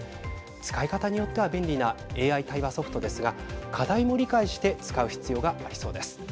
使い方によっては便利なＡＩ対話ソフトですが課題も理解して使う必要がありそうです。